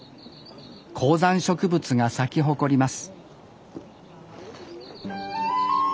高山植物が咲き誇ります